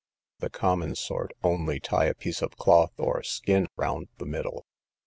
The common sort only tie a piece of cloth or skin round the middle.